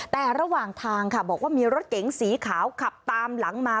แต่ระหว่างทางค่ะบอกว่ามีรถเก๋งสีขาวขับตามหลังมา